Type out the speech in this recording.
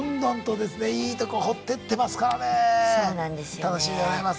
楽しみでございます。